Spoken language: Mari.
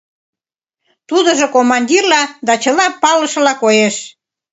Тудыжо командирла да чыла палышыла коеш.